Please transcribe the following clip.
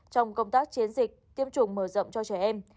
trong công tác chiến dịch tiêm chủng mở rộng cho trẻ em